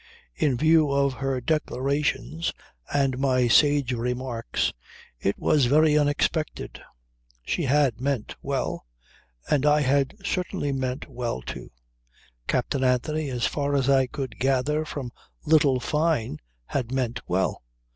In view of her declarations and my sage remarks it was very unexpected. She had meant well, and I had certainly meant well too. Captain Anthony as far as I could gather from little Fyne had meant well.